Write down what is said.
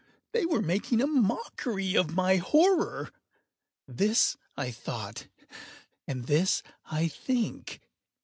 —they were making a mockery of my horror!—this I thought, and this I think.